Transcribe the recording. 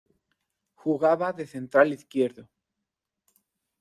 Jugaba de central izquierdo.